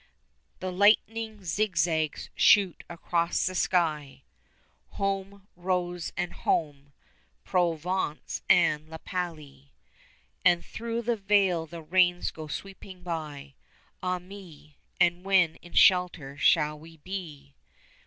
10 The lightning zigzags shoot across the sky, (Home, Rose, and home, Provence and La Palie,) And through the vale the rains go sweeping by; Ah me, and when in shelter shall we be?